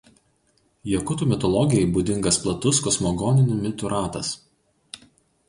Jakutų mitologijai būdingas platus kosmogoninių mitų ratas.